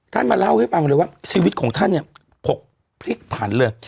มาเล่าให้ฟังเลยว่าชีวิตของท่านเนี่ยผกพลิกผันเลย